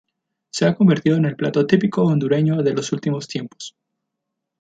Se ha convertido en el plato típico hondureño de los últimos tiempos.